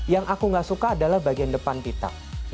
yang aku enggak suka adalah bagian depan titak